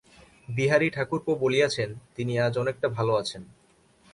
বিহারী-ঠাকুরপো বলিয়াছেন, তিনি আজ অনেকটা ভালো আছেন।